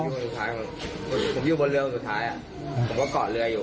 สุดท้ายผมอยู่บนเรือสุดท้ายผมก็เกาะเรืออยู่